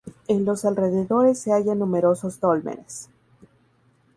En los alrededores se hallan numerosos dólmenes.